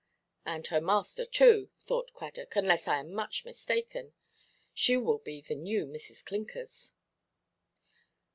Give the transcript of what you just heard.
"And her master too," thought Cradock; "unless I am much mistaken, she will be the new Mrs. Clinkers."